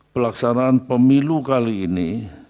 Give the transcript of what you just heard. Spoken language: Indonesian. pelaksanaan pemilu kali ini